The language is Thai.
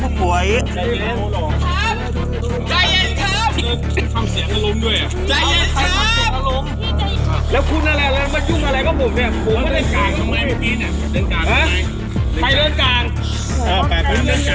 เฮ้เดาเน่ท